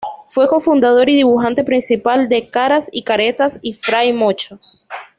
Fue cofundador y dibujante principal de "Caras y Caretas" y "Fray Mocho".